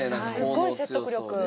すごい説得力。